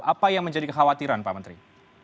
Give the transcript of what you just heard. apa yang menjadi kekhawatiran pak menteri